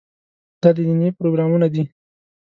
دا دیني پروګرامونه دي.